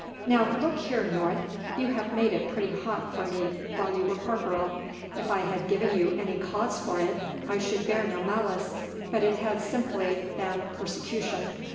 "Now look here, North. You have made it pretty hot for me while you were corporal. If I had given you any cause for it I should bear no malice, but it has been simply persecution.